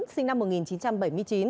sinh năm một nghìn chín trăm bảy mươi chín